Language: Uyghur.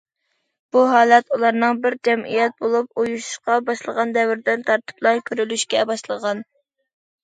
بۇ ھالەت ئۇلارنىڭ بىر جەمئىيەت بولۇپ ئويۇشۇشقا باشلىغان دەۋرىدىن تارتىپلا كۆرۈلۈشكە باشلىغان.